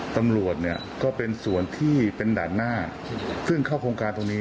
ตำรวจเนี่ยก็เป็นส่วนที่เป็นด่านหน้าซึ่งเข้าโครงการตรงนี้